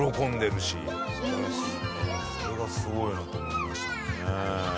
それがすごいなと思いましたね。